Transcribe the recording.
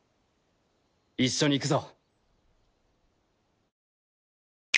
一緒に行くぞ。